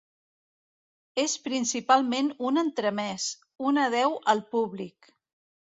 És principalment un entremès, un adéu al públic.